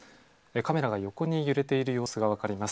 カメラが横に揺れている様子が分かります。